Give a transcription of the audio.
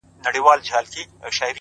خيال ويل ه مـا پــرې وپاسه ـ